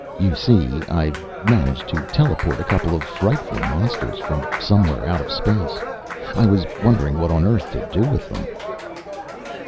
You see, I've managed to teleport a couple of frightful monsters from somewhere out of space. I was wondering what on earth to do with them."